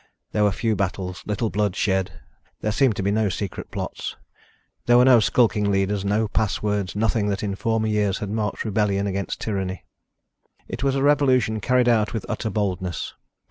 There were few battles, little blood shed. There seemed to be no secret plots. There were no skulking leaders, no passwords, nothing that in former years had marked rebellion against tyranny. It was a revolution carried out with utter boldness.